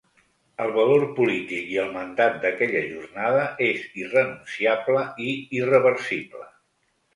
El valor polític i el mandat d’aquella jornada és irrenunciable i irreversible.